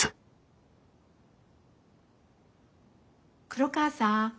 黒川さん